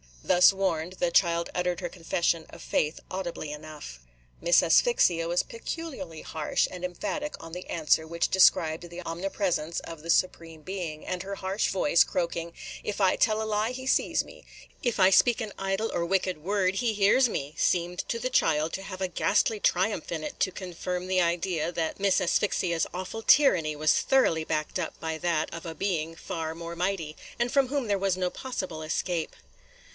Thus warned, the child uttered her confession of faith audibly enough. Miss Asphyxia was peculiarly harsh and emphatic on the answer which described the omnipresence of the Supreme Being, and her harsh voice, croaking, "If I tell a lie, He sees me, – if I speak an idle or wicked word, He hears me," seemed to the child to have a ghastly triumph in it to confirm the idea that Miss Asphyxia's awful tyranny was thoroughly backed up by that of a Being far more mighty, and from whom there was no possible escape.